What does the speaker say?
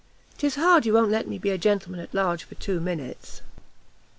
'Tis hard you won't let me be a gentleman at large for two minutes!"